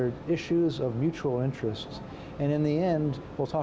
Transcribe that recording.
bantuan bantuan keamanan dan respon kemalangan